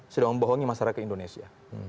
sudah membohongi masyarakat indonesia